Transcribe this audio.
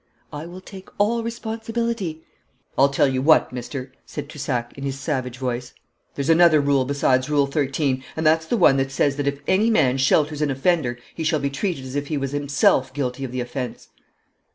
'I will take all responsibility.' 'I'll tell you what, mister,' said Toussac, in his savage voice. 'There's another rule besides Rule 13, and that's the one that says that if any man shelters an offender he shall be treated as if he was himself guilty of the offence.'